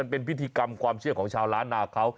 เป็นพิธีกรรมความเชื่อของชาวล้านนาเขา